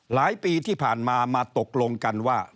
หลายปีที่ผ่านมามาตกลงกันว่า